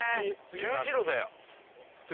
十字路だよ。